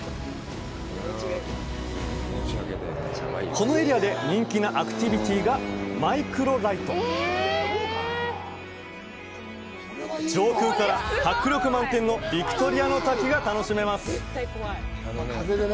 このエリアで人気なアクティビティーが上空から迫力満点のヴィクトリアの滝が楽しめます